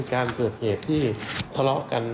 ก็มีการออกรูปรวมปัญญาหลักฐานออกมาจับได้ทั้งหมด